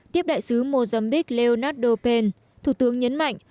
tiếp đại sứ mozambique leonardo paine thủ tướng nhấn mạnh